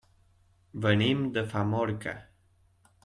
Venim de Famorca.